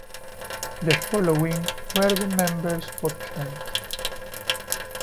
The following were the members for Kent.